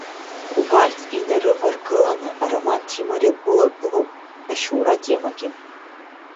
Убарҭ инарываргыланы ароман Ҭемыр иагәылагылоуп ашьоура атемагьы.